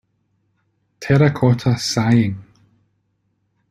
Terracotta Sighing.